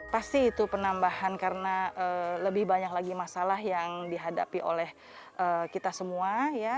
pasti itu penambahan karena lebih banyak lagi masalah yang dihadapi oleh kita semua ya